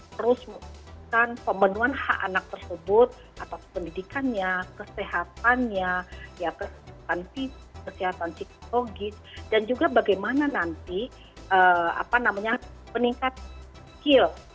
terus membutuhkan pemenuhan hak anak tersebut pendidikannya kesehatannya kesehatan psikologis dan juga bagaimana nanti peningkat skill